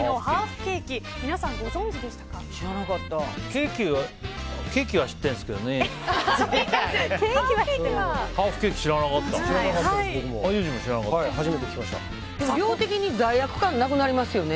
ケーキは知ってるんですけどね。